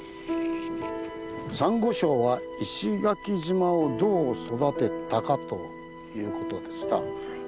「サンゴ礁は石垣島をどう育てたか？」ということでした。